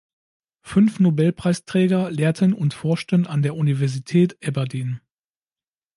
Fünf Nobelpreisträger lehrten und forschten an der Universität Aberdeen.